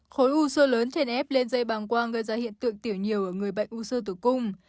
khối u sơ lớn trên ép lên dây bàng quang gây ra hiện tượng tiểu nhiều ở người bệnh u sơ tử cung